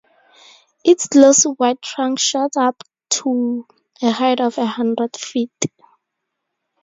Its glossy white trunk shoots up to a height of a hundred feet.